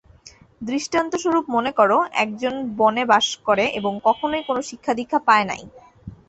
দৃষ্টান্তস্বরূপ মনে কর, একজন বনে বাস করে এবং কখনও কোন শিক্ষা-দীক্ষা পায় নাই।